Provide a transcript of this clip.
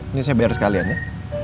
ini saya bayar sekalian ya